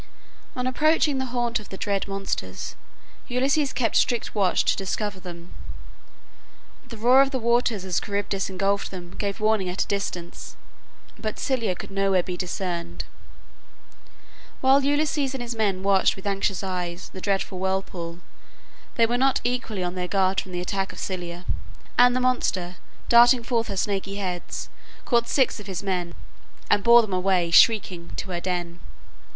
On approaching the haunt of the dread monsters, Ulysses kept strict watch to discover them. The roar of the waters as Charybdis ingulfed them, gave warning at a distance, but Scylla could nowhere be discerned. While Ulysses and his men watched with anxious eyes the dreadful whirlpool, they were not equally on their guard from the attack of Scylla, and the monster, darting forth her snaky heads, caught six of his men, and bore them away, shrieking, to her den.